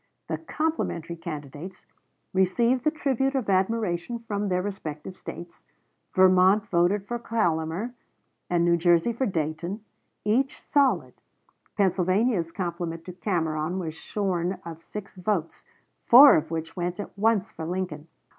The "complimentary" candidates received the tribute of admiration from their respective States. Vermont voted for Collamer, and New Jersey for Dayton, each solid. Pennsylvania's compliment to Cameron was shorn of six votes, four of which went at once for Lincoln.